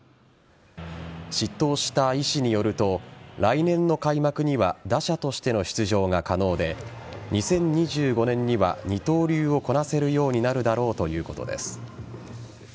執刀した医師によると来年の開幕には打者としての出場が可能で２０２５年には二刀流をこなせるようになるだろうということです。